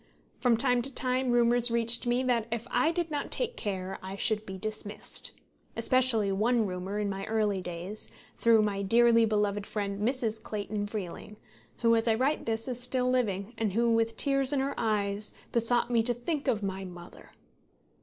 From time to time rumours reached me that if I did not take care I should be dismissed; especially one rumour in my early days, through my dearly beloved friend Mrs. Clayton Freeling, who, as I write this, is still living, and who, with tears in her eyes, besought me to think of my mother.